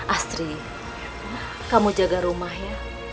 asri kamu jaga rumah ya